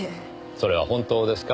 それは本当ですか？